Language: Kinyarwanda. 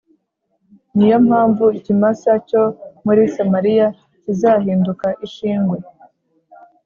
Ni yo mpamvu ikimasa cyo muri Samariya kizahinduka ishingwe.